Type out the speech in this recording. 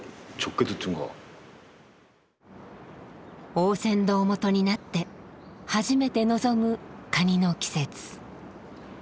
大船頭元になって初めて臨むカニの季節。